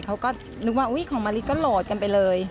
เขาก็นึกว่าของมะลิก็โหลดกันไปเลย